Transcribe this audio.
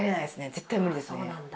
絶対無理ですね。